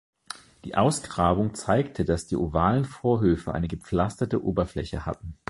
Die Ausgrabung zeigte, dass die ovalen Vorhöfe eine gepflasterte Oberfläche hatten.